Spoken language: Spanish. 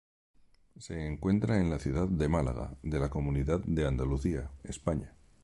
Se encuentra en la ciudad de Málaga de la comunidad de Andalucía, España.